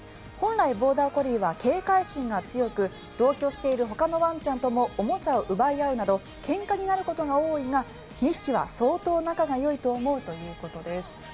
本来、ボーダーコリーは警戒心が強く同居しているほかのワンちゃんともおもちゃを奪い合うなどけんかになることが多いが２匹は相当仲がよいと思うということです。